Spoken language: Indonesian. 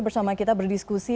bersama kita berdiskusi